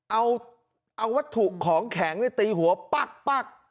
เอาวัตถุของแข็งตีหัวปั๊ก